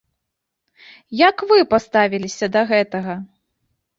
Як вы паставіліся да гэтага?